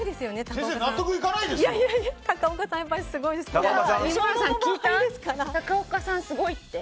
高岡さん、すごいって。